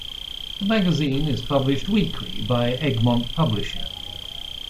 The magazine is published weekly by Egmont Publishing.